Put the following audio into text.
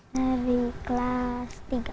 dari kelas tiga